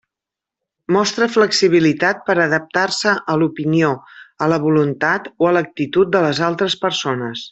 Mostra flexibilitat per adaptar-se a l'opinió, a la voluntat o a l'actitud de les altres persones.